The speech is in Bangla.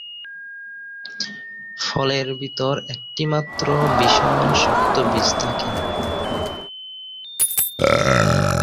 ফলের ভেতর একটিমাত্র ভীষণ শক্ত বীজ থাকে।